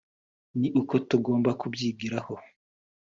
ni uko tugomba kubyigiraho